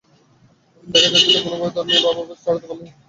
দেখা যাচ্ছে কোনোভাবে ধর্মীয় ভাবাবেগ ছড়াতে পারলে সমাজবিবেক অমনি কুঁকড়ে যায়।